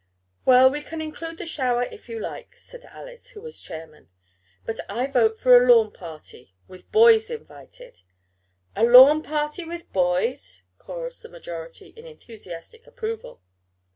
"Well, we can include the shower if you like," said Alice, who was chairman, "but I vote for a lawn party, with boys invited." "A lawn party with boys!" chorused the majority, in enthusiastic approval.